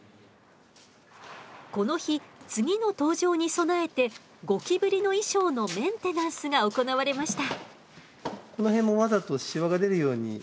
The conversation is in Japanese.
この日次の登場に備えてゴキブリの衣装のメンテナンスが行われました。